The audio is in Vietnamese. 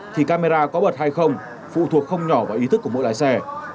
thì camera có bật hay không phụ thuộc không nhỏ vào ý thức của mỗi lái xe